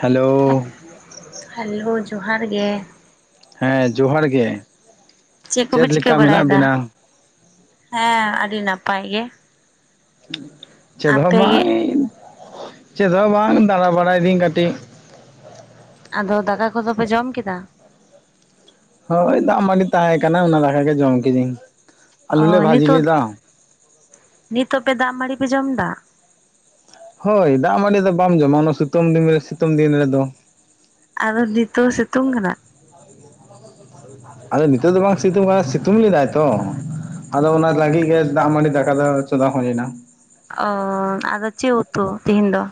Hello hello ᱡᱚᱦᱟᱨ ᱜᱮ ᱦᱮᱸ ᱡᱚᱦᱟᱨ ᱜᱮ ᱠᱚᱯᱮ ᱪᱮᱫ ᱪᱤᱠᱟᱹ ᱞᱮᱠᱟ ᱢᱮᱱᱟᱜ ᱵᱟᱲᱟᱭᱮᱫᱟ? ᱵᱤᱱᱟ? ᱦᱮᱸ ᱟᱹᱰᱤ ᱱᱟᱯᱟᱭ ᱜᱮ ᱾ ᱪᱮᱫ ᱦᱚᱸ ᱵᱟᱝ ᱤᱧ, ᱪᱮᱫ ᱦᱚᱸ ᱵᱟᱝ ᱫᱟᱬᱟ ᱵᱟᱲᱟᱭᱤᱫᱟᱹᱧ ᱠᱟᱹᱴᱤᱡ ᱾ ᱟᱫᱚ ᱫᱟᱠᱟ ᱠᱚᱫᱚ ᱯᱮ ᱡᱚᱢ ᱠᱮᱫᱟ? ᱦᱚᱭ ᱫᱟᱜ ᱢᱟᱺᱰᱤ ᱛᱟᱦᱮᱸ ᱠᱟᱱᱟ ᱚᱱᱟ ᱫᱟᱠᱟ ᱜᱮ ᱡᱚᱢ ᱠᱤᱫᱟᱹᱧ ᱾ ᱚᱻ ᱱᱤᱛᱚᱜ, ᱱᱤᱛ ᱦᱚᱸᱯᱮ ᱫᱟᱜ ᱢᱟᱺᱰᱤ ᱯᱮ ᱡᱚᱢ ᱮᱫᱟ ᱾ ᱦᱚᱭ, ᱫᱟᱜ ᱢᱟᱺᱰᱤ ᱫᱚ ᱵᱟᱢ ᱡᱚᱢᱟ ᱚᱱᱟ ᱥᱤᱛᱩᱝ ᱫᱤᱱ ᱨᱮ ᱥᱤᱛᱩᱝ ᱫᱤᱱ ᱨᱮᱫᱚ ᱾ ᱟᱫᱚ ᱱᱤᱛᱚᱜ ᱦᱚᱸ ᱥᱤᱛᱩᱝ ᱠᱟᱱᱟ? ᱟᱹᱭ ᱟᱫᱚ ᱱᱤᱛᱚᱜ ᱫᱚ ᱵᱟᱝ ᱥᱤᱛᱩᱝ ᱠᱟᱱᱟ ᱥᱤᱛᱩᱝ ᱞᱮᱫᱟᱭ ᱛᱚ ᱾ ᱟᱫᱚ ᱚᱱᱟ ᱞᱟᱹᱜᱤᱫ ᱜᱮ ᱫᱟᱜ ᱢᱟᱺᱰᱤ ᱫᱟᱠᱟ ᱫᱚ ᱪᱚᱸᱫᱟ ᱦᱩᱭ ᱮᱱᱟ ᱾ ᱚ ᱚ ᱟᱫᱚ ᱪᱮᱫ ᱩᱛᱩ ᱛᱮᱦᱤᱧ ᱫᱚ?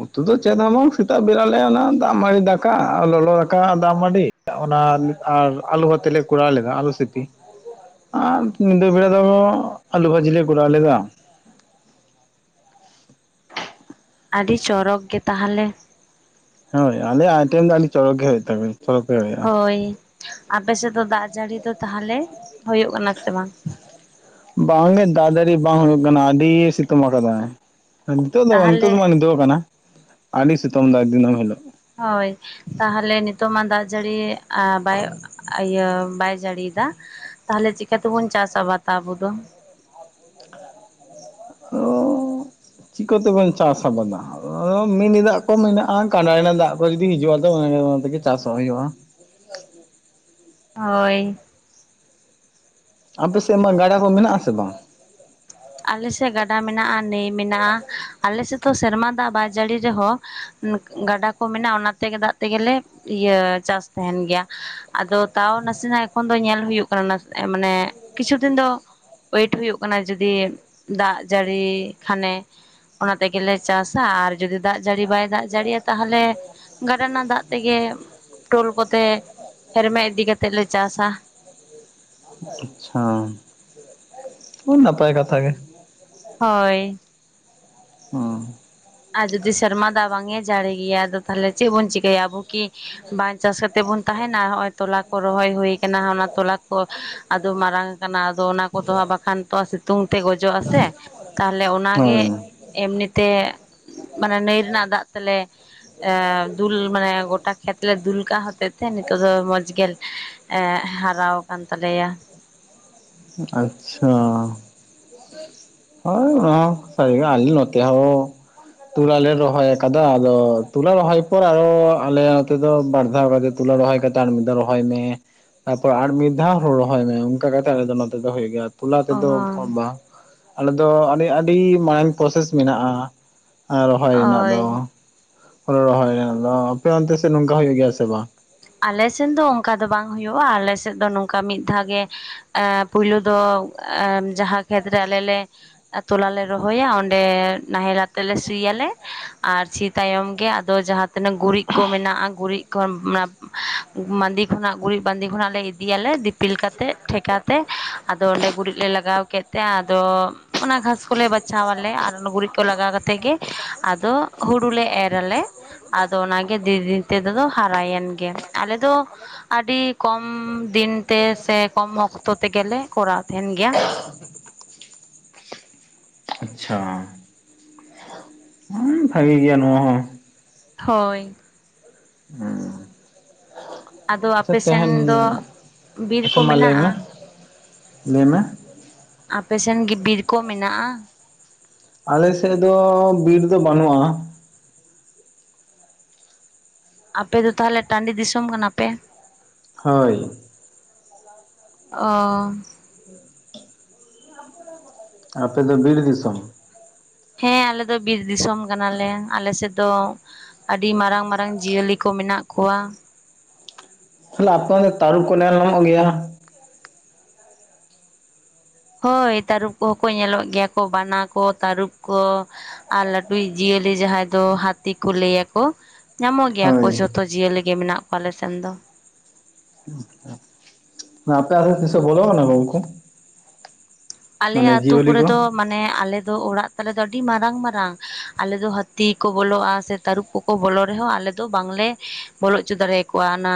ᱩᱛᱩ ᱫᱚ ᱪᱮᱫ ᱦᱚᱸ ᱵᱟᱝ ᱥᱮᱛᱟᱜ ᱵᱮᱨ ᱟᱞᱮ ᱚᱱᱟ ᱫᱟᱜ ᱢᱟᱺᱰᱤ ᱫᱟᱠᱟ ᱟᱨ ᱞᱚᱞᱚ ᱫᱟᱠᱟ ᱫᱟᱜ ᱢᱟᱺᱰᱤ ᱾ ᱚᱱᱟ ᱟᱨ ᱟᱞᱩ ᱵᱷᱟᱛᱮ ᱞᱮ ᱠᱚᱨᱟᱣ ᱞᱮᱫᱟ ᱟᱹᱞᱩ ᱥᱤᱯᱤ ᱾ ᱟᱨ ᱧᱤᱫᱟᱹ ᱵᱮᱲᱟ ᱫᱚ ᱟᱹᱞᱩ ᱵᱷᱟᱹᱡᱤ ᱞᱮ ᱠᱚᱨᱟᱣ ᱞᱮᱫᱟ ᱾ ᱟᱹᱰᱤ ᱪᱚᱨᱚᱠ ᱜᱮ ᱛᱟᱦᱚᱞᱮ ᱾ ᱦᱚᱭ ᱟᱞᱮᱭᱟᱜ ᱟᱭᱴᱮᱢ ᱫᱚ ᱟᱹᱰᱤ ᱪᱚᱨᱚᱠ ᱜᱮ ᱛᱚᱵᱮ ᱾ ᱦᱚᱭ ᱟᱯᱮ ᱥᱮᱫ ᱫᱚ ᱫᱟᱜ ᱡᱟᱹᱲᱤ ᱫᱚ ᱛᱟᱦᱚᱞᱮ ᱦᱩᱭᱩᱜ ᱠᱟᱱᱟ ᱥᱮ ᱵᱟᱝ? ᱵᱟᱝᱜᱮ ᱫᱟᱜ ᱡᱟᱹᱲᱤ ᱵᱟᱝ ᱦᱩᱭᱩᱜ ᱠᱟᱱᱟ ᱟᱹᱰᱤ ᱥᱤᱛᱩᱝ ᱟᱠᱟᱫᱟᱭ ᱾ ᱱᱤᱛᱚᱜ ᱫᱚ ᱵᱟᱝ ᱱᱤᱛᱚᱜ ᱛᱟᱦᱚᱞᱮ ᱫᱚ ᱢᱟ ᱱᱤᱫᱟᱹᱣ ᱟᱠᱟᱱᱟ ᱟᱹᱰᱤ ᱥᱤᱛᱚᱝ ᱫᱟ ᱫᱤᱱ ᱦᱤᱞᱚᱜ ᱾ ᱦᱚᱭ ᱛᱟᱦᱚᱞᱮ ᱱᱤᱛᱚᱜ ᱢᱟ ᱫᱟᱜ ᱡᱟᱹᱲᱤ ᱟᱨ ᱵᱟᱭ ᱤᱭᱟᱹ ᱵᱟᱭ ᱡᱟᱹᱲᱤᱭᱫᱟ ᱛᱟᱦᱮᱞᱮ ᱪᱤᱠᱟᱹᱛᱮᱵᱩᱱ ᱪᱟᱥ ᱟᱵᱟᱫᱟ ᱟᱵᱚ ᱫᱚ? ᱚ ᱚ ᱪᱤᱠᱟᱹᱛᱮᱵᱚᱱ ᱪᱟᱥ ᱟᱵᱟᱫᱟ? ᱚ ᱢᱤᱱᱤ ᱫᱟᱜ ᱠᱚ ᱢᱮᱱᱟᱜᱼᱟ ᱠᱟᱸᱰᱟ ᱨᱮᱱᱟᱜ ᱫᱟᱜ ᱠᱚ ᱡᱩᱫᱤ ᱦᱤᱡᱩᱜᱼᱟ ᱛᱚ ᱚᱱᱟ ᱛᱮᱜᱮ ᱪᱟᱥᱚ ᱦᱩᱭᱩᱜᱼᱟ ᱾ ᱦᱚᱭ ᱟᱯᱮ ᱥᱮᱫᱢᱟ ᱜᱟᱰᱟ ᱦᱚᱸ ᱢᱮᱱᱟᱜ ᱟᱥᱮ ᱵᱟᱝ ᱾ ᱟᱞᱮ ᱥᱮᱫ ᱜᱟᱰᱟ ᱢᱮᱱᱟᱜᱼᱟ ᱱᱟᱹᱭ ᱢᱮᱱᱟᱜᱼᱟ, ᱟᱞᱮ ᱥᱮᱫ ᱫᱚ ᱥᱮᱨᱢᱟ ᱫᱟᱜ ᱵᱟᱭ ᱡᱟᱹᱲᱤ ᱨᱮᱦᱚᱸ ᱜᱟᱰᱟ ᱠᱚ ᱢᱮᱱᱟᱜᱼᱟ ᱚᱱᱟᱛᱮᱜᱮ ᱫᱟᱜ ᱛᱮᱜᱮᱞᱮᱼᱼ ᱤᱭᱟᱹ ᱪᱟᱥ ᱛᱟᱦᱮᱱ ᱜᱮᱭᱟ ᱟᱫᱚ ᱛᱟᱣ ᱱᱟᱥᱮᱱᱟᱜ ᱮᱠᱷᱚᱱ ᱫᱚ ᱧᱮᱞ ᱦᱩᱭᱩᱜ ᱠᱟᱱᱟ ᱮ ᱢᱟᱱᱮ ᱠᱤᱪᱷᱩ ᱫᱤᱱ ᱫᱚ ᱚᱭᱮᱴ ᱦᱩᱭᱩᱜ ᱠᱟᱱᱟ ᱡᱩᱫᱤ ᱫᱟᱜ ᱡᱟᱹᱲᱤ ᱠᱷᱟᱱᱮ ᱾ ᱚᱱᱟ ᱛᱮᱜᱮᱞᱮ ᱪᱟᱥᱟ ᱟᱨ ᱡᱩᱫᱤ ᱫᱟᱜ ᱡᱟᱹᱲᱤ ᱵᱟᱭ ᱫᱟᱜ ᱡᱟᱹᱲᱤᱭᱟ ᱛᱟᱦᱚᱞᱮ ᱜᱟᱰᱟ ᱨᱮᱱᱟᱜ ᱫᱟᱜ ᱛᱮᱜᱮ ᱴᱳᱞ ᱠᱚᱛᱮ ᱦᱮᱨᱢᱮᱫ ᱤᱫᱤ ᱠᱟᱛᱮᱫ ᱞᱮ ᱪᱟᱥᱟ [inaudible] ᱟᱪᱪᱷᱟ, ᱱᱟᱯᱟᱭ ᱠᱟᱛᱷᱟ ᱜᱮ ᱾ ᱦᱚᱭ ᱾ ᱦᱚᱸ ᱟᱨ ᱡᱩᱫᱤ ᱥᱮᱨᱢᱟ ᱫᱟᱜ ᱵᱟᱝ ᱮ ᱡᱟᱹᱲᱤ ᱜᱮᱭᱟ ᱟᱫᱚ ᱛᱟᱦᱚᱞᱮ ᱪᱮᱫ ᱵᱚᱱ ᱪᱤᱠᱟᱹᱭᱟ ᱟᱵᱚ ᱠᱤ? ᱵᱟᱝ ᱪᱟᱥ ᱠᱟᱛᱮ ᱵᱚᱱ ᱛᱟᱦᱮᱱᱟ ᱱᱚᱜ-ᱚᱭ ᱛᱚᱞᱟ ᱠᱚ ᱨᱚᱦᱚᱭ ᱦᱩᱭ ᱟᱠᱟᱱᱟ ᱚᱱᱟ ᱛᱚᱞᱟ ᱠᱚ ᱟᱫᱚ ᱢᱟᱨᱟᱝᱼᱼ ᱟᱫᱚ ᱚᱱᱟ ᱠᱚ ᱫᱚ ᱵᱟᱠᱷᱟᱱ ᱛᱚ ᱥᱤᱛᱩᱝ ᱛᱮ ᱜᱚᱡᱚᱜ ᱟᱥᱮ ᱛᱟᱦᱚᱞᱮ ᱚᱱᱟᱜᱮ ᱦᱳᱭ ᱮᱢᱱᱤ ᱛᱮ ᱢᱟᱱᱮ ᱱᱟᱹᱭ ᱨᱮᱱᱟᱜ ᱫᱟᱜ ᱛᱮᱞᱮ ᱮ ᱫᱩᱞ ᱢᱟᱱᱮ ᱜᱚᱴᱟ ᱠᱷᱮᱛ ᱞᱮ ᱫᱩᱞᱠᱟᱜ ᱦᱚᱛᱮᱫ ᱛᱮ ᱱᱤᱛᱚᱜ ᱫᱚ ᱢᱚᱡᱽ ᱜᱮ ᱾ ᱦᱮᱸ ᱦᱟᱨᱟᱣ ᱟᱠᱟᱱ ᱛᱟᱞᱮᱭᱟ ᱾ ᱟᱪᱪᱷᱟ ᱾ ᱦᱳᱭ ᱱᱚᱣᱟ [unintelligible] ᱱᱚᱛᱮ ᱦᱚᱸ᱾ ᱛᱚᱲᱟ ᱞᱮ ᱨᱚᱦᱚᱭ ᱟᱠᱟᱫᱟ ᱟᱫᱚ ᱛᱚᱞᱟ ᱨᱚᱦᱚᱭ ᱯᱚᱨ ᱟᱨᱚ ᱟᱞᱮ ᱱᱚᱛᱮ ᱫᱚ ᱵᱟᱨ ᱫᱷᱟᱣ ᱠᱟᱛᱮᱫ ᱛᱚᱞᱟ ᱨᱚᱦᱚᱭ ᱠᱟᱛᱮᱜ ᱟᱨ ᱢᱤᱫ ᱫᱷᱟᱣ ᱨᱚᱦᱚᱭ ᱢᱮ ᱛᱟᱯᱚᱨ ᱟᱨ ᱢᱤᱫ ᱫᱷᱟᱣ ᱨᱚᱦᱚᱭ ᱢᱮ ᱚᱱᱠᱟ ᱠᱟᱛᱮ ᱟᱞᱮ ᱫᱚ ᱱᱚᱛᱮ ᱫᱚ ᱦᱩᱭᱩᱜ ᱜᱮᱭᱟ ᱛᱩᱞᱟ ᱚ ᱛᱮᱫᱚ ᱵᱟᱝ᱾ ᱟᱞᱮ ᱫᱚ ᱟᱹᱰᱤ ᱟᱹᱰᱤ ᱢᱟᱨᱟᱝ ᱯᱨᱚᱥᱮᱥ ᱢᱮᱱᱟᱜᱼᱟ ᱦᱟᱸ ᱨᱚᱦᱚᱭ ᱨᱮᱱᱟᱜ ᱫᱚ ᱦᱳᱭ ᱾ ᱦᱳᱲᱳ ᱨᱚᱦᱚᱭ ᱨᱮᱱᱟᱜ ᱫᱚ ᱟᱯᱮ ᱚᱱᱛᱮ ᱥᱮᱫ ᱱᱚᱝᱠᱟ ᱦᱩᱭᱩᱜ ᱜᱮᱭᱟ ᱥᱮ ᱵᱟᱝ? ᱟᱞᱮ ᱥᱮᱱ ᱫᱚ ᱚᱱᱠᱟ ᱫᱚ ᱵᱟᱝ ᱦᱩᱭᱩᱜᱼᱟ, ᱟᱞᱮ ᱥᱮᱫ ᱫᱚ ᱱᱚᱝᱠᱟ ᱢᱤᱫ ᱫᱷᱟᱣ ᱜᱮ ᱾ ᱟᱸ ᱯᱩᱭᱞᱩ ᱫᱚ ᱡᱟᱦᱟᱸ ᱠᱷᱮᱛᱨᱮ ᱟᱞᱮ ᱞᱮ ᱟ ᱛᱚᱞᱟ ᱞᱮ ᱨᱚᱦᱚᱭᱟ ᱚᱸᱰᱮ ᱱᱟᱦᱮᱞ ᱟᱛᱮ ᱞᱮ ᱥᱤᱭᱟᱞᱮ ᱟᱨ ᱥᱤ ᱛᱟᱭᱚᱢ ᱜᱮ ᱟᱫᱚ ᱡᱟᱦᱟᱸ ᱛᱱᱟ. ᱜ ᱜᱩᱨᱤᱡ ᱠᱚ ᱢᱮᱱᱟᱜᱼᱟ ᱜᱩᱨᱤᱡ ᱠᱚ ᱢᱟᱫᱤ ᱠᱷᱚᱱᱟᱜ ᱜᱩᱨᱤᱡ ᱵᱟᱸᱫᱤ ᱠᱷᱚᱱᱟᱜ ᱞᱮ ᱤᱫᱤᱭᱟᱞᱮ ᱫᱤᱯᱤᱞ ᱠᱟᱛᱮᱫ ᱴᱷᱮᱠᱟ ᱛᱮ ᱟᱫᱚ ᱚᱸᱰᱮ ᱜᱩᱨᱤᱡ ᱞᱮ ᱞᱟᱜᱟᱣ ᱠᱮᱫ ᱛᱮ ᱟᱫᱚ ᱢᱟᱱᱮ ᱜᱷᱟᱥ ᱠᱚᱞᱮ ᱵᱟᱪᱷᱟᱣ ᱟᱞᱮ ᱟᱨ ᱚᱱᱟ ᱜᱩᱨᱤᱡ ᱠᱚ ᱞᱟᱜᱟᱣ ᱠᱟᱛᱮ ᱜᱮ ᱟᱫᱚ ᱦᱩᱲᱩ ᱞᱮ ᱮᱨ ᱟᱞᱮ ᱟᱫᱚ ᱚᱱᱟᱜᱮ ᱫᱤᱱ ᱫᱤᱱ ᱛᱮᱫᱚ ᱦᱟᱨᱟᱭᱮᱱ ᱜᱮ ᱟᱞᱮ ᱫᱚ ᱟᱹᱰᱤ ᱠᱚᱢ ᱫᱤᱱᱛᱮ ᱥᱮ ᱠᱚᱢ ᱚᱠᱛᱚ ᱛᱮᱜᱮᱞᱮ ᱠᱚᱨᱟᱣ ᱛᱟᱦᱮᱱ ᱜᱮᱭᱟ ᱟᱪᱪᱷᱟ ᱩ ᱵᱷᱟᱜᱮ ᱜᱮᱭᱟ ᱱᱚᱣᱟ ᱦᱚ ᱦᱳᱭ [inaudible] ᱟᱫᱚ ᱟᱪᱪᱷᱟ ᱟᱯᱮ ᱛᱮᱦᱮᱧ ᱥᱮᱱ ᱫᱚ ᱵᱤᱨ ᱟᱪᱪᱷᱟ ᱠᱚ ᱢᱟ ᱞᱟᱹᱭ ᱢᱮ ᱢᱮᱱᱟᱜᱼᱟ ᱞᱟᱹᱭ ᱢᱮ ᱟᱯᱮ ᱥᱮᱱ ᱜᱤ ᱵᱤᱨ ᱠᱚ ᱢᱮᱱᱟᱜᱼᱟ ᱟᱞᱮᱥᱮᱫ ᱫᱚ ᱵᱤᱨ ᱫᱚ ᱵᱟᱹᱱᱩᱜᱼᱟ ᱟᱯᱮ ᱫᱚ ᱛᱟᱦᱚᱞᱮ ᱴᱟᱺᱰᱤ ᱫᱤᱥᱚᱢ ᱠᱟᱱᱟ ᱯᱮ ᱦᱳᱭ ᱚ [inaudible] ᱟᱯᱮ ᱫᱚ ᱵᱤᱨ ᱫᱤᱥᱚᱢ ᱦᱮᱸ ᱟᱞᱮ ᱫᱚ ᱵᱤᱨ ᱫᱤᱥᱚᱢ ᱠᱟᱱᱟᱞᱮ ᱟᱞᱮ ᱥᱮᱫ ᱫᱚ ᱟᱹᱰᱤ ᱢᱟᱨᱟᱝ ᱢᱟᱨᱟᱝ ᱡᱤᱭᱟᱹᱞᱤ ᱠᱚ ᱢᱮᱱᱟᱜ ᱠᱚᱣᱟ ᱛᱟᱦᱮ ᱟᱯᱮ ᱛᱟᱨᱩᱵᱽ ᱠᱚ ᱱᱮᱞ ᱧᱟᱢᱚᱜ ᱜᱮᱭᱟ ᱦᱳᱭ ᱛᱟᱹᱨᱩᱯ ᱠᱚᱦᱚᱸ ᱠᱚ ᱧᱮᱞᱚᱜ ᱜᱮᱭᱟ ᱠᱚ ᱵᱟᱱᱟ ᱠᱚ ᱛᱟᱹᱨᱩᱯ ᱠᱚ ᱟᱨ ᱞᱟᱹᱴᱩᱭᱤᱡ ᱡᱤᱭᱟᱹᱞᱤ ᱡᱟᱦᱟᱸᱭ ᱫᱚ ᱦᱟᱹᱛᱤ ᱠᱚ ᱞᱟᱹᱭ ᱟᱠᱚ ᱧᱟᱢᱚᱜ ᱜᱮᱭᱟ ᱠᱚ ᱦᱳᱭ ᱡᱚᱛᱚ ᱡᱤᱭᱟᱹᱞᱤ ᱜᱮ ᱢᱮᱱᱟᱜ ᱠᱚᱣᱟ ᱟᱞᱮ ᱥᱮᱱ ᱫᱚ [unintelligible] ᱟᱯᱮ ᱟᱛᱮ ᱛᱤᱥᱚᱜ ᱵᱚᱞᱚ ᱠᱟᱱᱟ ᱜᱚᱝᱠᱮ᱾ ᱟᱞᱮ ᱟᱛᱩ ᱠᱚᱨᱮ ᱠᱚ ᱫᱚ ᱢᱟᱱᱮ ᱟᱞᱮ ᱫᱚ ᱚᱲᱟᱜ ᱛᱟᱞᱮ ᱫᱚ ᱟᱹᱰᱤ ᱢᱟᱨᱟᱝ ᱢᱟᱨᱟᱝ ᱟᱞᱮ ᱫᱚ ᱦᱟᱹᱛᱤ ᱠᱚ ᱵᱚᱞᱚᱜᱼᱟ ᱥᱮ ᱛᱟᱹᱨᱩᱵ ᱠᱚ ᱠᱚ ᱵᱚᱞᱚ ᱨᱮᱦᱚᱸ ᱟᱞᱮ ᱫᱚ ᱵᱟᱝᱞᱮ ᱵᱚᱞᱚ ᱦᱚᱪᱚ ᱫᱟᱲᱮᱭᱟ ᱠᱚᱣᱟ ᱚᱱᱟ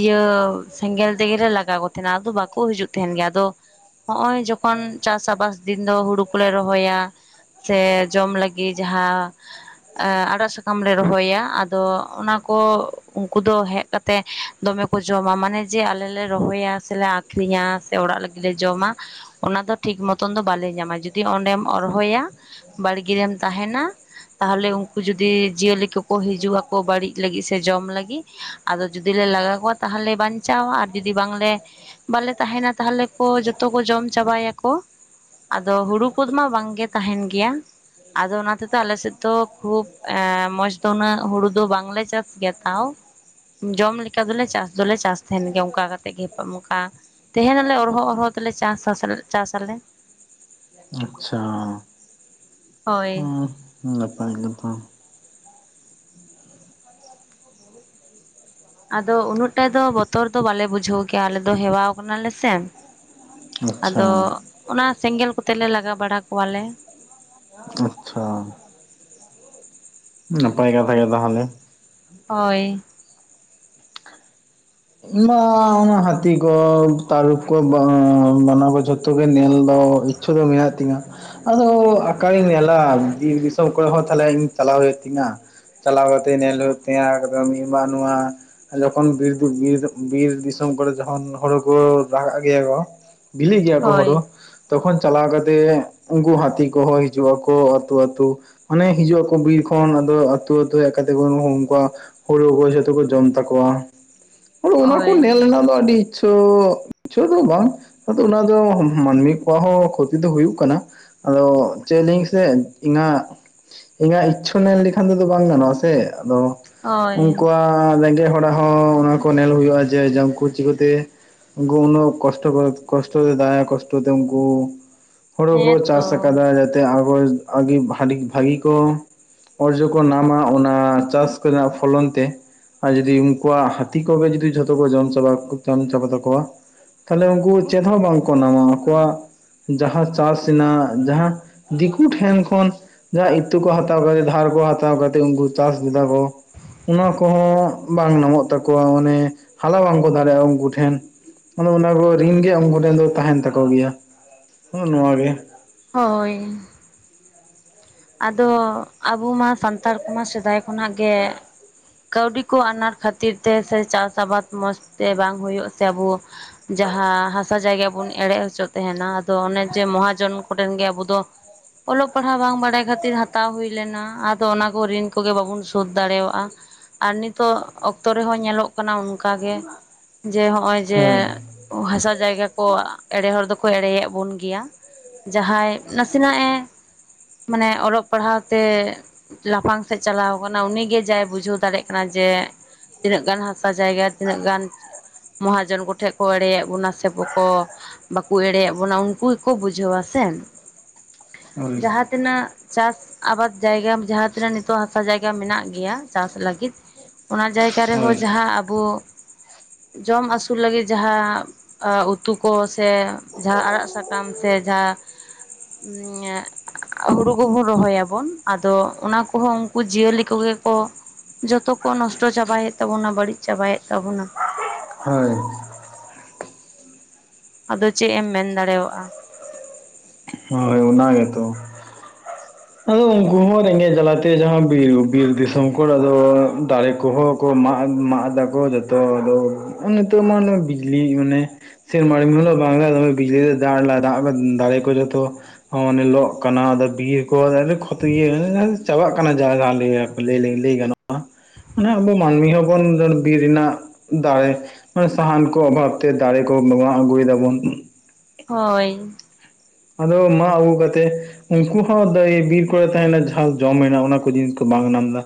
ᱤᱭᱟᱹ ᱥᱮᱸᱜᱮᱞ ᱛᱮᱜᱮᱞᱮ ᱞᱟᱜᱟ ᱠᱚ ᱛᱟᱦᱮᱱᱟ ᱟᱫᱚ ᱵᱟᱠᱚ ᱦᱤᱡᱩᱜ ᱛᱟᱦᱮᱱ ᱜᱮᱭᱟ ᱟᱫᱚ ᱦᱚᱜᱼᱚᱭ ᱡᱚᱠᱷᱚᱱ ᱪᱟᱥ ᱟᱵᱟᱥ ᱫᱤᱱ ᱫᱚ ᱦᱩᱲᱩ ᱠᱚᱞᱮ ᱨᱚᱦᱚᱭᱟ ᱥᱮ ᱡᱚᱢ ᱞᱟᱹᱜᱤᱫ ᱡᱟᱦᱟᱸ ᱮ ᱟᱲᱟᱜ ᱥᱟᱠᱟᱢ ᱞᱮ ᱨᱚᱦᱚᱭᱟ ᱟᱫᱚ ᱚᱱᱟ ᱠᱚ ᱩᱱᱠᱩ ᱫᱚ ᱦᱮᱡ ᱠᱟ ᱛᱮ ᱫᱚᱢᱮ ᱠᱚ ᱡᱚᱢᱟ ᱢᱟᱱᱮ ᱡᱮ ᱟᱞᱮ ᱞᱮ ᱨᱚᱦᱚᱭᱟ ᱥᱮᱞᱮ ᱟᱠᱷᱨᱤᱧᱟ ᱥᱮ ᱚᱲᱟᱜ ᱞᱟᱹᱜᱤᱫᱞᱮ ᱡᱚᱢᱟ ᱚᱱᱟ ᱫᱚ ᱴᱷᱤᱠ ᱢᱚᱛᱚᱱ ᱫᱚ ᱵᱟᱞᱮ ᱧᱟᱢᱟ ᱡᱩᱫᱤ ᱚᱸᱰᱮᱢ ᱚᱨᱦᱚᱭᱟ ᱵᱟᱲᱜᱮ ᱨᱮᱢ ᱛᱟᱦᱮᱱᱟ ᱛᱟᱦᱚᱞᱮ ᱩᱱᱠᱩ ᱡᱩᱫᱤ ᱡᱤᱭᱟᱹᱞᱤ ᱠᱚᱠᱚ ᱦᱤᱡᱩᱜ ᱟᱠᱚ ᱵᱟᱹᱲᱤᱡ ᱞᱟᱹᱜᱤᱫ ᱥᱮ ᱡᱚᱢ ᱞᱟᱹᱜᱤᱫ ᱟᱫᱚ ᱡᱩᱫᱤ ᱞᱮ ᱞᱟᱜᱟ ᱠᱚᱣᱟ ᱛᱟᱦᱚᱞᱮ ᱵᱟᱧᱪᱟᱣᱟ ᱟᱨ ᱡᱩᱫᱤ ᱵᱟᱝᱞᱮ ᱵᱟᱞᱮ ᱛᱟᱦᱮᱱᱟ ᱛᱟᱦᱞᱮ ᱠᱚ ᱡᱚᱛᱚ ᱠᱚ ᱡᱚᱢ ᱪᱟᱵᱟᱭᱟᱠᱚ ᱟᱫᱚ ᱦᱩᱲᱩ ᱠᱚᱫᱚ ᱢᱟ ᱵᱟᱝ ᱜᱮ ᱛᱟᱦᱮᱱ ᱜᱮᱭᱟ ᱟᱫᱚ ᱚᱱᱟ ᱛᱮᱫᱚ ᱟᱞᱮᱥᱮᱫ ᱫᱚ ᱠᱷᱩᱵ ᱮ ᱢᱚᱸᱡᱽ ᱫᱚ ᱩᱱᱟᱹᱜ ᱦᱩᱲᱩ ᱫᱚ ᱵᱟᱝᱞᱮ ᱪᱟᱥ ᱜᱮᱭᱟ ᱛᱟᱣ ᱡᱚᱢ ᱞᱮᱠᱟ ᱫᱚᱞᱮ ᱪᱟᱥ ᱫᱚᱞᱮ ᱪᱟᱥ ᱛᱟᱦᱮᱱ ᱜᱮ ᱚᱱᱠᱟ ᱠᱟᱛᱮᱜ ᱜᱮ ᱦᱮᱯᱟ ᱢᱚᱠᱟ ᱛᱟᱦᱮᱱᱟᱞᱮ ᱚᱨᱦᱚ ᱚᱨᱦᱚ ᱛᱮᱞᱮ ᱪᱟᱥ‌ ᱟᱥᱮ ᱪᱟᱥ ᱟᱞᱮ ᱟᱪᱪᱷᱟ ᱦᱳᱭ ᱦᱩᱸ ᱱᱟᱯᱟᱭ ᱠᱟᱛᱷᱟ ᱟᱫᱚ ᱩᱱᱟᱹᱜ ᱴᱟᱜ ᱫᱚ ᱵᱚᱛᱚᱨ ᱫᱚ ᱵᱟᱞᱮ ᱵᱩᱡᱷᱟᱹᱣ ᱜᱮᱭᱟ ᱟᱞᱮ ᱫᱚ ᱦᱮᱣᱟᱣ ᱠᱟᱱᱟ ᱞᱮ ᱥᱮ ᱟᱪᱪᱷᱟ ᱟᱫᱚ ᱚᱱᱟ ᱥᱮᱸᱜᱮᱞ ᱠᱚᱛᱮ ᱞᱮ ᱞᱟᱜᱟ ᱵᱟᱲᱟ ᱠᱚᱣᱟᱞᱮ ᱟᱪᱪᱷᱟ ᱱᱟᱯᱟᱭ ᱠᱟᱛᱷᱟ ᱜᱮ ᱛᱟᱦᱞᱮ ᱦᱳᱭ ᱢᱟ ᱚᱱᱟ ᱦᱟᱹᱛᱤ ᱠᱚ ᱛᱟᱨᱩᱯ ᱠᱚ ᱵᱟᱱᱟ ᱠᱚ ᱡᱷᱚᱛᱚ ᱜᱮ ᱧᱮᱞ ᱫᱚ ᱤᱪᱪᱷᱟ ᱫᱚ ᱢᱮᱱᱟᱜ ᱛᱤᱧᱟᱹ᱾ ᱟᱫᱚ ᱟᱠᱟᱨᱤᱧ ᱧᱮᱞᱟ ᱵᱤᱨ ᱫᱤᱥᱚᱢ ᱠᱚᱨᱮ ᱦᱚᱸ ᱛᱟᱦᱮ ᱤᱧ ᱪᱟᱞᱟᱣ ᱦᱳᱭᱳᱜ ᱛᱤᱧᱟ ᱪᱟᱞᱟᱣ ᱠᱟᱛᱮᱜ ᱧᱮᱞ ᱦᱩᱭᱩᱜ ᱛᱤᱧᱟ ᱮᱠᱫᱚᱢ [unintelligible] ᱱᱚᱶᱟ ᱡᱚᱠᱷᱚᱱ ᱵᱤᱨ [inaudible] ᱵᱤᱨ ᱵᱤᱨ ᱫᱤᱥᱚᱢ ᱠᱚᱨᱮ ᱡᱚᱠᱷᱚᱱ ᱦᱳᱲᱳ ᱠᱚ ᱨᱟᱠᱟᱜ ᱜᱮᱭᱟ ᱠᱚ ᱵᱤᱞᱤᱜ ᱜᱮᱭᱟ ᱠᱚ ᱦᱳᱭ ᱦᱳᱲᱳ ᱛᱚᱠᱷᱚᱱ ᱪᱟᱞᱟᱣ ᱠᱟᱛᱮᱜ ᱩᱱᱠᱩ ᱦᱟᱹᱛᱤ ᱠᱚᱦᱚᱸ ᱦᱤᱡᱩᱜ ᱟᱠᱚ ᱟᱹᱛᱩ ᱟᱹᱛᱩ ᱢᱟᱱᱮ ᱦᱤᱡᱩᱜ ᱟᱠᱚ ᱵᱤᱨ ᱠᱷᱚᱱ ᱟᱫᱚ ᱟᱹᱛᱩ ᱟᱹᱛᱩ ᱦᱮᱡ ᱠᱟᱛᱮ ᱠᱚ ᱦᱚᱦᱚ ᱩᱱᱠᱩᱣᱟ ᱦᱩᱲᱩ ᱠᱚ ᱡᱚᱛᱚ ᱠᱚ ᱡᱚᱢ ᱛᱟᱠᱚᱣᱟ ᱚᱱᱟ ᱠᱚ ᱦᱳᱭ ᱧᱮᱞ ᱨᱮᱱᱟᱜ ᱫᱚ ᱟᱹᱰᱤ ᱪᱳ [inaudible] ᱫᱚ ᱵᱟᱝ ᱟᱫᱚ ᱚᱱᱟ ᱫᱚ ᱢᱟᱹᱱᱢᱤ ᱠᱚᱣᱟᱜ ᱦᱚᱸ ᱠᱷᱚᱛᱤ ᱫᱚ ᱦᱩᱭᱩᱜ ᱠᱟᱱᱟ ᱟᱫᱚ ᱪᱮᱫᱞᱤᱧ ᱥᱮ ᱤᱱᱟᱹᱜ ᱤᱧᱟᱹᱜ ᱤᱪᱪᱷᱟᱹ ᱱᱮᱱ ᱞᱮᱠᱷᱟᱱ ᱛᱮᱫᱚ ᱵᱟᱝ ᱜᱟᱱᱚᱜᱼᱟ ᱥᱮ ᱟᱫᱚ ᱦᱳᱭ ᱩᱱᱠᱩᱣᱟᱜ ᱨᱮᱸᱜᱮᱡ ᱦᱚᱲᱟᱜ ᱦᱚᱸ ᱚᱱᱟ ᱠᱚ ᱧᱮᱞ ᱦᱩᱭᱩᱜᱼᱟ ᱡᱮ ᱡᱚᱢᱠᱚ ᱪᱤᱠᱟᱹᱛᱮ ᱩᱱᱠᱩ ᱩᱱᱟᱹᱜ ᱠᱚᱥᱴᱚ ᱠᱚ, ᱠᱚᱥᱴᱚ ᱫᱟᱭᱟ ᱠᱚᱥᱴᱚ ᱛᱮ ᱩᱱᱠᱩ ᱦᱳᱲᱳ ᱠᱚ ᱪᱟᱥ ᱦᱮᱸᱛᱚ ᱠᱟᱫᱟ ᱡᱟᱛᱮ ᱟᱵᱚ [unintelligible] ᱵᱷᱟᱹᱜᱤ ᱠᱚ ᱚᱨᱡᱚ ᱠᱚ ᱱᱟᱢᱟ ᱚᱱᱟ ᱪᱟᱥ ᱠᱚ ᱨᱮᱱᱟᱜ ᱯᱷᱚᱞᱚᱱ ᱛᱮ ᱟᱨ ᱡᱩᱫᱤ ᱩᱱᱠᱩᱣᱟᱜ ᱛᱤ ᱠᱚᱜᱮ ᱡᱩᱫᱤ ᱡᱷᱚᱛᱚ ᱠᱚ ᱡᱚᱢ ᱪᱟᱵᱟ ᱡᱚᱱ ᱪᱟᱵᱟ ᱛᱟᱠᱚᱣᱟ ᱛᱟᱦᱞᱮ ᱩᱱᱠᱩ ᱪᱮᱫ ᱦᱚᱸ ᱵᱟᱝᱠᱚ ᱱᱟᱢᱟ ᱟᱠᱚᱣᱟᱜ ᱡᱟᱦᱟᱸ ᱪᱟᱥ ᱨᱮᱱᱟᱜ ᱡᱟᱦᱟᱸ ᱫᱤᱠᱩ ᱴᱷᱮᱱ ᱠᱷᱚᱱ ᱡᱟᱦᱟᱸ ᱤᱛᱟᱹ ᱠᱚ ᱦᱟᱛᱟᱣ ᱠᱟᱛᱮ ᱫᱷᱟᱨ ᱠᱚ ᱦᱟᱛᱟᱣ ᱠᱟᱛᱮ ᱩᱱᱠᱩ ᱪᱟᱥ ᱞᱮᱫᱟ ᱠᱚ ᱚᱱᱟ ᱠᱚᱦᱚᱸ ᱵᱟᱝ ᱱᱟᱢᱚᱜ ᱛᱟᱠᱚᱣᱟ ᱢᱟᱱᱮ ᱦᱟᱞᱟ ᱵᱟᱝᱠᱚ ᱫᱟᱲᱮᱭᱟᱜᱼᱟ ᱩᱱᱠᱩ ᱴᱷᱮᱱ ᱚᱱᱚ ᱚᱱᱟ ᱠᱚ ᱨᱤᱱ ᱜᱮ ᱩᱱᱠᱩᱴᱷᱮᱱ ᱫᱚ ᱛᱟᱦᱮᱱ ᱛᱟᱠᱚ ᱜᱮᱭᱟ ᱱᱚᱣᱟ ᱜᱮ ᱦᱳᱭ ᱟᱫᱚ ᱟᱵᱚ ᱢᱟ ᱥᱟᱱᱛᱟᱲ ᱠᱚᱢᱟ ᱥᱮᱫᱟᱭ ᱠᱷᱚᱱᱟᱜ ᱜᱮ ᱠᱟᱹᱣᱰᱤ ᱠᱚ ᱟᱱᱟᱴ ᱠᱷᱟᱹᱛᱤᱨ ᱛᱮ ᱥᱮ ᱪᱟᱥ ᱟᱵᱟᱫ ᱢᱚᱸᱡᱽ ᱛᱮ ᱵᱟᱝ ᱦᱳᱭᱳᱜ ᱥᱮ ᱟᱵᱚ ᱡᱟᱦᱟᱸ ᱦᱟᱥᱟ ᱡᱟᱭᱜᱟ ᱵᱚᱱ ᱮᱲᱮ ᱦᱚᱪᱚᱜ ᱛᱟᱦᱮᱱᱟ ᱟᱫᱚ ᱚᱱᱮ ᱡᱮ ᱢᱚᱦᱟᱡᱚᱱ ᱠᱚᱴᱷᱮᱱ ᱜᱮ ᱟᱵᱚ ᱫᱚ ᱚᱞᱚᱜ ᱯᱟᱲᱦᱟᱣ ᱵᱟᱝ ᱵᱟᱲᱟᱭ ᱠᱷᱟᱹᱛᱤᱨ ᱦᱟᱛᱟᱣ ᱦᱩᱭ ᱞᱮᱱᱟ, ᱟᱫᱚ ᱚᱱᱟ ᱠᱚ ᱨᱤᱱ ᱠᱚᱜᱮ ᱵᱟᱵᱚᱱ ᱥᱳᱫᱷ ᱫᱟᱲᱮᱭᱟᱜᱼᱟ᱾ ᱟᱨ ᱱᱤᱛᱚᱜ ᱚᱠᱛᱚ ᱨᱮᱦᱚᱸ ᱧᱮᱞᱚᱜ ᱠᱟᱱᱟ ᱚᱱᱠᱟᱜᱮ, ᱡᱮ ᱱᱚᱜᱼᱚᱭ ᱡᱮ ᱦᱳᱭ ᱦᱟᱥᱟ ᱡᱟᱭᱜᱟ ᱠᱚ ᱮᱲᱮ ᱦᱚᱲ ᱫᱚᱠᱚ ᱮᱲᱮᱭᱮᱫ ᱵᱚᱱ ᱜᱮᱭᱟ᱾ ᱡᱟᱦᱟᱸᱭ ᱱᱟᱥᱮᱱᱟ ᱮ ᱢᱟᱱᱮ ᱚᱞᱚᱜ ᱯᱟᱲᱦᱟᱣ ᱛᱮ ᱞᱟᱯᱷᱟᱝ ᱥᱮᱫ ᱪᱟᱞᱟᱣ ᱠᱟᱱᱟ ᱩᱱᱤᱜᱮ ᱡᱟᱭ ᱵᱩᱡᱷᱟᱹᱣ ᱫᱟᱲᱮᱭᱟᱜ ᱠᱟᱱᱟ ᱡᱮ ᱛᱤᱱᱟᱹᱜ ᱜᱟᱱ ᱦᱟᱥᱟ ᱡᱟᱭᱜᱟ ᱛᱤᱱᱟᱹᱜ ᱜᱟᱱ ᱢᱚᱦᱟᱡᱚᱱ ᱠᱚᱴᱷᱮᱱ ᱠᱚ ᱮᱲᱮ-ᱮᱫ ᱵᱚᱱᱟ ᱥᱮ ᱵᱚᱠᱚ ᱵᱟᱠᱚ ᱮᱲᱮ ᱮᱫ ᱵᱚᱱᱟ ᱩᱱᱠᱩ ᱜᱮᱠᱚ ᱵᱩᱡᱷᱟᱹᱣᱟ ᱥᱮ [unintelligible] ᱡᱟᱦᱟᱸ ᱛᱤᱱᱟᱹᱜ ᱪᱟᱥ ᱟᱵᱟᱫᱽ ᱡᱟᱭᱜᱟ ᱡᱟᱦᱟᱸ ᱛᱤᱱᱟᱹᱜ ᱱᱤᱛᱚᱜ ᱦᱟᱥᱟ ᱡᱟᱭᱜᱟ ᱢᱮᱱᱟᱜ ᱜᱮᱭᱟ ᱪᱟᱥ ᱞᱟᱹᱜᱤᱫ ᱚᱱᱟ ᱡᱟᱭᱜᱟ ᱨᱮᱦᱚᱸ ᱦᱳᱭ ᱡᱟᱦᱟᱸ ᱟᱵᱚ ᱡᱚᱢ ᱟᱹᱥᱩᱞ ᱞᱟᱹᱜᱤᱜ ᱡᱟᱦᱟᱸ ᱩᱛᱩ ᱠᱚ ᱥᱮ ᱡᱟᱦᱟᱸ ᱟᱲᱟᱜ ᱥᱟᱠᱟᱢ ᱥᱮ ᱡᱟ [unintelligible] ᱦᱩᱲᱩ ᱠᱚᱵᱚᱱ ᱨᱚᱦᱚᱭᱟᱵᱚᱱ ᱟᱫᱚ ᱚᱱᱟ ᱠᱚᱦᱚᱸ ᱩᱱᱠᱩ ᱡᱤᱭᱟᱹᱞᱤ ᱠᱚᱜᱮ ᱠᱚ ᱡᱚᱛᱚ ᱠᱚ ᱱᱚᱥᱴᱚ ᱪᱟᱵᱟᱭᱮᱫ ᱛᱟᱵᱚᱱᱟ ᱵᱟᱲᱤᱡ ᱪᱟᱵᱟᱭᱮᱫ ᱛᱟᱵᱚᱱᱟ ᱦᱳᱭ ᱟᱫᱚ ᱪᱮᱫ ᱮᱢ ᱢᱮᱱ ᱫᱟᱲᱮᱭᱟᱜ-ᱟ ᱦᱳᱭ ᱚᱱᱟ ᱜᱮ ᱛᱚ ᱟᱫᱚ ᱩᱱᱠᱩ ᱦᱚ ᱨᱮᱸᱜᱮᱡ ᱡᱟᱞᱟᱛᱮ ᱡᱟᱦᱟᱸ ᱵᱤᱨ ᱵᱤᱨ ᱫᱤᱥᱚᱢ ᱠᱚᱨᱮ ᱟᱫᱚ ᱫᱟᱨᱮ ᱠᱚᱦᱚᱸ ᱠᱚ ᱢᱟᱜ ᱢᱟᱜ ᱮᱫᱟᱠᱚ ᱡᱚᱛᱚ ᱛᱚ ᱟᱫᱚ ᱛᱚ [unintelligible] ᱵᱤᱡᱽᱞᱤ ᱢᱟᱱᱮ ᱥᱮᱨᱢᱟ [unintelligible] ᱵᱟᱝᱞᱟ ᱫᱚᱢᱮ ᱵᱤᱡᱽᱞᱤ ᱨᱮ ᱫᱟᱲ ᱫᱟᱜ ᱫᱟᱲᱮ ᱠᱚ ᱡᱚᱛᱚ ᱚᱱᱦᱤᱞᱚᱜ ᱠᱟᱱᱟ ᱟᱫᱚ ᱵᱤᱨ ᱠᱚᱨᱮ ᱠᱷᱚᱛᱤ [inaudible] ᱪᱟᱵᱟᱜ ᱠᱟᱱᱟ ᱡᱟᱹᱭ ᱞᱟᱹᱭ ᱜᱟᱱᱚᱜ-ᱟ ᱢᱟᱱᱮ ᱟᱵᱚ ᱢᱟᱹᱱᱢᱤ ᱦᱚᱵᱚᱱ ᱵᱤᱨ ᱨᱮᱱᱟᱜ ᱫᱟᱨᱮ ᱢᱟᱱᱮ ᱥᱟᱦᱟᱱ ᱠᱚ ᱚᱵᱷᱟᱵᱛᱮ ᱫᱟᱨᱮ ᱠᱚ ᱢᱟᱜ ᱟᱹᱜᱩᱭ ᱫᱟᱵᱚᱱ ᱦᱳᱭ ᱟᱫᱚ ᱢᱟᱜ ᱟᱜᱩ ᱠᱟᱛᱮ ᱩᱱᱠᱩ ᱦᱚᱸ ᱫᱚᱭ ᱵᱤᱨ ᱠᱚᱨᱮ ᱛᱟᱦᱮᱱᱟ ᱡᱟᱦᱟᱸ ᱡᱚᱢᱮᱱᱟ ᱚᱱᱟ ᱠᱚ ᱡᱤᱱᱤᱥ ᱠᱚ ᱵᱟᱝ ᱧᱟᱢ ᱫᱟ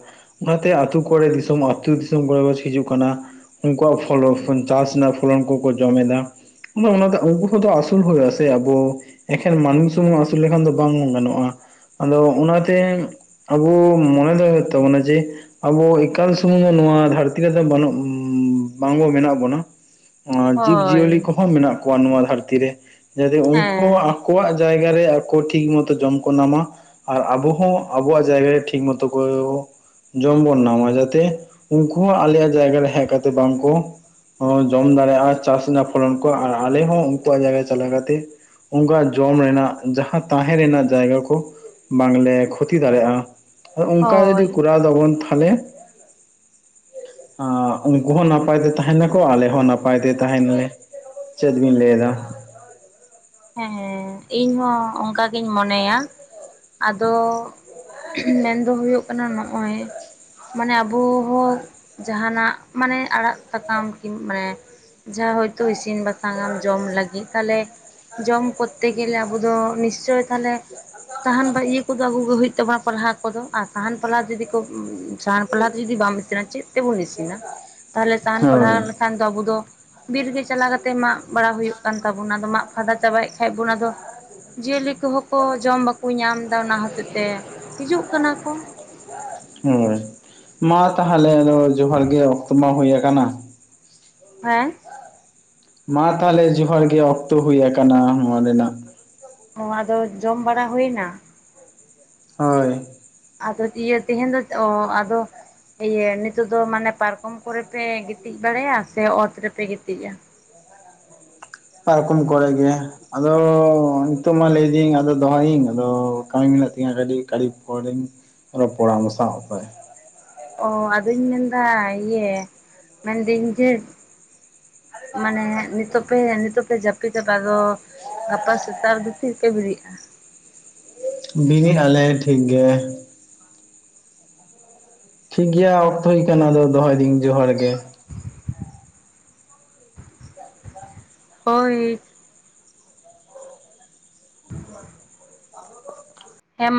ᱚᱱᱟᱛᱮ ᱟᱹᱛᱩ ᱠᱚᱨᱮ ᱫᱤᱥᱚᱢ ᱟᱹᱛᱩ ᱫᱤᱥᱚᱢ ᱠᱚᱨᱮ ᱠᱚ ᱦᱤᱡᱩᱜ ᱠᱟᱱᱟ ᱩᱱᱠᱩᱣᱟ ᱪᱟᱥ ᱨᱮᱱᱟᱜ ᱯᱷᱚᱞᱚᱱ ᱠᱚᱠᱚ ᱡᱚᱢ ᱮᱫᱟ᱾ ᱚᱱᱟ ᱫᱚ ᱩᱠᱩ ᱫᱚ ᱟᱥᱩᱞ ᱦᱩᱭ ᱟᱥᱮ ᱟᱵᱚ ᱮᱠᱷᱮᱱ ᱢᱟᱹᱱᱢᱤ ᱥᱩᱢᱩᱢ ᱟᱹᱥᱩᱞ ᱞᱮᱠᱷᱟᱱ ᱫᱚ ᱵᱟᱝ ᱜᱟᱱᱚᱜ-ᱟ᱾ ᱟᱫᱚ ᱚᱱᱟᱛᱮ ᱟᱵᱚ ᱢᱚᱱᱮ ᱫᱚ ᱦᱩᱭᱩᱜ ᱛᱟᱵᱚᱱᱟ ᱡᱮ ᱟᱵᱚ ᱮᱠᱟᱞ ᱥᱩᱢᱩᱝ ᱫᱚ ᱱᱚᱣᱟ ᱫᱷᱟᱹᱨᱛᱤ ᱨᱮᱫᱚ ᱵᱟᱹᱱᱩᱜ ᱵᱟᱝᱵᱚ ᱢᱮᱱᱟᱜ ᱵᱚᱱᱟ ᱡᱤᱵ ᱦᱳᱭ ᱡᱤᱭᱟᱹᱞᱤ ᱠᱚᱦᱚᱸ ᱢᱮᱱᱟᱜ ᱠᱚᱣᱟ ᱱᱚᱣᱟ ᱫᱷᱟᱹᱨᱛᱤ ᱨᱮ᱾ᱡᱟᱛᱮ ᱩᱱᱠᱩ ᱦᱮᱸ ᱟᱠᱚᱣᱟᱜ ᱡᱟᱭᱜᱟ ᱨᱮ ᱟᱠᱚ ᱴᱷᱤᱠ ᱢᱚᱛᱚ ᱡᱚᱢ ᱠᱚ ᱧᱟᱢᱟ ᱟᱨ ᱟᱵᱚ ᱦᱚᱸ ᱟᱵᱚᱣᱟᱜ ᱡᱟᱭᱜᱟ ᱨᱮ ᱴᱷᱤᱠ ᱢᱚᱛᱚ ᱠᱚ ᱡᱚᱢ ᱵᱚᱱ ᱱᱟᱢᱟ ᱡᱟᱛᱮ ᱩᱱᱠᱩ ᱟᱞᱮᱭᱟᱜ ᱡᱟᱭᱜᱟ ᱨᱮ ᱦᱮᱡ ᱠᱟᱛᱮ ᱵᱟᱝ ᱠᱚ ᱦᱚᱸ ᱡᱚᱢ ᱫᱟᱲᱮᱭᱟᱜᱼ-ᱟ ᱪᱟᱥ ᱨᱮᱱᱟᱜ ᱯᱷᱚᱞᱚᱱ ᱠᱚ ᱟᱨ ᱟᱞᱮ ᱦᱚᱸ ᱩᱱᱠᱩᱣᱟᱜ ᱡᱟᱭᱜᱟ ᱪᱟᱞᱟᱣ ᱠᱟᱛᱮ [unintelligible] ᱡᱚᱢ ᱨᱮᱱᱟᱜ ᱡᱟᱦᱟᱸ ᱛᱟᱦᱮᱸ ᱨᱮᱱᱟᱜ ᱡᱟᱭᱜᱟ ᱠᱚ ᱵᱟᱝᱞᱮ ᱠᱷᱚᱛᱤ ᱫᱟᱲᱮᱭᱟᱜ- ᱟ᱾ ᱚᱱᱠᱟ ᱡᱚᱫᱤ ᱦᱳᱭ ᱠᱚᱨᱟᱣ ᱫᱟᱵᱚᱱ ᱛᱟᱦᱚᱞᱮ ᱩᱱᱠᱩ ᱦᱚᱸ ᱱᱟᱯᱟᱭ ᱛᱮ ᱛᱟᱦᱮᱱᱟᱠᱚ ᱟᱞᱮ ᱦᱚᱸ ᱱᱟᱯᱟᱭ ᱛᱮ ᱛᱟᱦᱮᱱᱟᱞᱮ ᱪᱮᱫ ᱵᱤᱱ ᱞᱟᱹᱭ ᱮᱫᱟ? ᱦᱮᱸ ᱤᱧᱦᱚ ᱚᱱᱠᱟ ᱜᱤᱧ ᱢᱚᱱᱮᱭᱟ ᱟᱫᱚ ᱢᱮᱱ ᱫᱚ ᱦᱩᱭᱩᱜ ᱠᱟᱱᱟ ᱱᱚᱜ-ᱚᱭ ᱢᱟᱱᱮ ᱟᱵᱚ ᱦᱚᱸ ᱡᱟᱦᱟᱱᱟᱜ ᱢᱟᱱᱮ ᱟᱲᱟᱜ ᱥᱟᱠᱟᱢ ᱠᱤ ᱢᱟᱱᱮ ᱡᱟᱦᱟᱸ ᱦᱚᱭᱛᱳ ᱤᱥᱤᱱ ᱵᱟᱥᱟᱝᱟᱢ ᱡᱚᱢ ᱞᱟᱹᱜᱤᱫ ᱛᱟᱦᱚᱞᱮ ᱡᱚᱢ ᱠᱚᱨᱛᱮ ᱜᱮᱞᱮ ᱟᱵᱚ ᱫᱚ ᱱᱤᱥᱪᱚᱭ ᱛᱟᱦᱚᱞᱮ ᱥᱟᱦᱟᱱ ᱵᱟ ᱤᱭᱟᱹ ᱠᱚᱫᱚ ᱟᱹᱜᱩ ᱜᱮ ᱦᱩᱭᱩᱜ ᱛᱟᱵᱚᱱᱟ ᱯᱟᱞᱦᱟ ᱠᱚᱫᱚ ᱟᱨ ᱥᱟᱦᱟᱱ ᱯᱟᱞᱦᱟ ᱡᱩᱫᱤ ᱠᱚ ᱥᱟᱦᱟᱱ ᱯᱷᱟᱞᱦᱟ ᱛᱮ ᱡᱩᱫᱤ ᱵᱟᱢ ᱤᱥᱤᱱᱟ ᱪᱮᱫ ᱛᱮᱵᱚᱱ ᱤᱥᱤᱱᱟ? [unintelligible] ᱛᱟᱦᱚᱞᱮ ᱥᱟᱦᱟᱱ ᱯᱟᱞᱦᱟ ᱦᱳᱭ ᱞᱮᱠᱷᱟᱱ ᱫᱚ ᱟᱵᱚ ᱫᱚ ᱵᱤᱨ ᱜᱮ ᱪᱟᱞᱟᱣ ᱠᱟᱛᱮ ᱢᱟᱜ ᱵᱟᱲᱟ ᱦᱩᱭᱩᱜ ᱠᱟᱱ ᱛᱟᱵᱚᱱᱟ ᱟᱫᱚ ᱢᱟᱜ ᱯᱷᱟᱫᱟ ᱪᱟᱵᱟᱭᱮᱫ ᱠᱷᱟᱡ ᱵᱚ ᱚᱱᱟᱫᱚ ᱡᱤᱭᱟᱹᱞᱤ ᱠᱚᱦᱚᱸ ᱠᱚ ᱡᱚᱢ ᱵᱟᱠᱚ ᱧᱟᱢ ᱫᱟ ᱚᱱᱟ ᱦᱚᱛᱮᱜ ᱛᱮ ᱦᱤᱡᱩᱜ ᱠᱟᱱᱟ ᱠᱚ᱾ ᱦᱳᱭ ᱢᱟ ᱛᱟᱦᱚᱞᱮ ᱟᱫᱚ ᱡᱚᱦᱟᱨ ᱜᱮ ᱚᱠᱛᱚ ᱢᱟ ᱦᱩᱭ ᱟᱠᱟᱱᱟ᱾ ᱦᱮᱸ ᱢᱟ ᱛᱟᱦᱚᱞᱮ ᱡᱚᱦᱟᱨ ᱜᱤ ᱚᱠᱛᱚ ᱦᱩᱭ ᱟᱠᱟᱱᱟ ᱱᱚᱣᱟ ᱨᱮᱱᱟᱜ᱾ ᱚ ᱟᱫᱚ ᱡᱚᱢ ᱵᱟᱲᱟ ᱦᱩᱭᱱᱟ? ᱦᱳᱭ ᱟᱫᱚ ᱤᱭᱟᱹ ᱛᱮᱦᱮᱧ ᱫᱚ᱾ ᱚ ᱟᱫᱚ ᱤᱭᱟᱹ ᱱᱤᱛᱚᱜ ᱫᱚ ᱢᱟᱱᱮ ᱯᱟᱨᱠᱚᱢ ᱠᱚᱨᱮ ᱯᱮ ᱜᱤᱛᱤᱡ ᱵᱟᱲᱟᱭᱟ ᱥᱮ ᱚᱛ ᱨᱮᱯᱮ ᱜᱤᱛᱤᱡᱟ? ᱯᱟᱨᱠᱚᱢ ᱠᱚᱨᱮ ᱜᱮ᱾ ᱟᱫᱚ ᱱᱤᱛᱚᱜ ᱢᱟ ᱞᱟᱹᱭᱫᱤᱧ ᱟᱫᱚ ᱫᱚᱦᱚᱭᱤᱧ ᱟᱫᱚ ᱠᱟᱹᱢᱤ ᱢᱮᱱᱟᱜ ᱛᱤᱧᱟᱹ ᱠᱟᱹᱴᱤ ᱠᱟᱹᱴᱤ ᱯᱚᱨᱤᱧ ᱨᱚᱯᱚᱲᱟ ᱟᱢ ᱥᱟᱶ ᱦᱳᱭ ᱚᱻ ᱟᱫᱚᱧ ᱢᱮᱱᱫᱟ ᱤᱭᱟᱹ ᱢᱮᱱᱫᱟᱹᱧ ᱡᱮ ᱢᱟᱱᱮ ᱱᱤᱛᱚᱜ ᱯᱮ ᱱᱤᱛᱚᱜ ᱯᱮ ᱡᱟᱹᱯᱤᱫᱟ ᱫᱚ ᱜᱟᱯᱟ ᱥᱮᱛᱟᱜ ᱨᱮ ᱫᱚ ᱛᱤᱨᱮ ᱯᱮ ᱵᱮᱨᱤᱜᱼᱟ? ᱵᱤᱨᱤᱫ ᱟᱞᱮ ᱴᱷᱤᱠ ᱜᱮ᱾ ᱴᱷᱤᱠ ᱜᱮᱭᱟ ᱚᱠᱛᱚ ᱦᱩᱭ ᱠᱟᱱᱟ ᱟᱫᱚ ᱫᱚᱦᱚᱭᱫᱟᱹᱧ ᱡᱚᱦᱟᱨ ᱜᱮ ᱦᱳᱭ [inaudible] ᱦᱮᱢᱟ